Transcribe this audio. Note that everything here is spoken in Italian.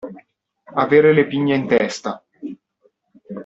Avere le pigne in testa.